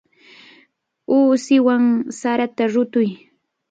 Uusiwan sarata rutuy.